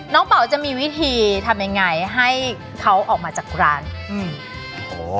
เป๋าจะมีวิธีทำยังไงให้เขาออกมาจากร้านอืม